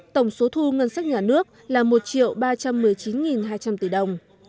tổng số thu ngân sách nhà nước là một ba trăm một mươi chín hai trăm linh tỷ đồng